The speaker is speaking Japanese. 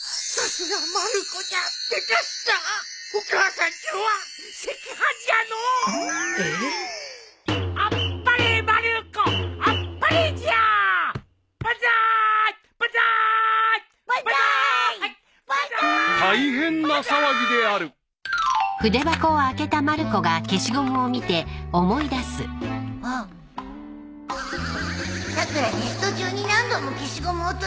さくらテスト中に何度も消しゴム落として拾ってたブー